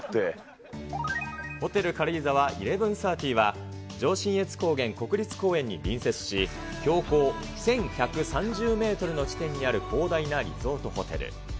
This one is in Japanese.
ホテル軽井沢１１３０は上信越高原国立公園に隣接し、標高１１３０メートルの地点にある広大なリゾートホテル。